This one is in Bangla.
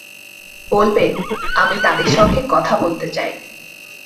বলবে, আমি তাদের সঙ্গে কথা বলতে চাই।